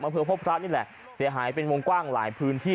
อำเภอพบพระนี่แหละเสียหายเป็นวงกว้างหลายพื้นที่